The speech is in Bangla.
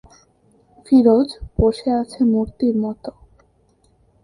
ফিরোজ বসে আছে মূর্তির মতো।